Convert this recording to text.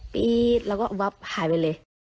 ปี๊ดแล้วก็วับหายไปเลย